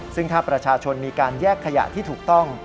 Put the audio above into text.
ซึ่งถ้าประชาชนมีการแยกขยะที่ถูกต้อง